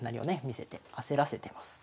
見せて焦らせてます。